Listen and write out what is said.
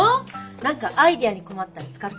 何かアイデアに困ったら使ってよ。